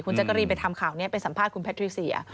แจ๊กกะรีนไปทำข่าวนี้ไปสัมภาษณ์คุณแพทริเซีย